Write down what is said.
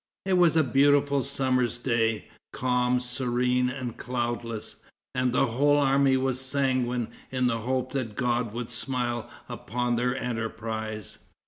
It was a beautiful summer's day, calm, serene and cloudless, and the whole army were sanguine in the hope that God would smile upon their enterprise.